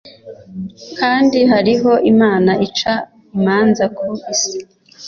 kandi hariho imana ica imanza ku isi